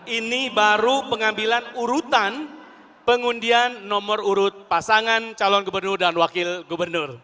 ini baru pengambilan urutan pengundian nomor urut pasangan calon gubernur dan wakil gubernur